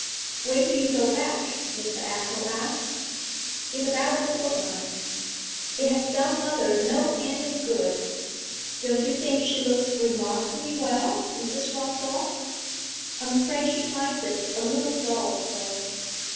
'When do you go back?' Mr. Athel asked. 'In about a fortnight. It has done mother no end of good; don't you think she looks remarkably well, Mrs. Rossall? I'm afraid she finds it a little dull though.'